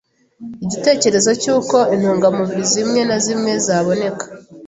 igitekerezo cyuko intungamubiri zimwe na zimwe zaboneka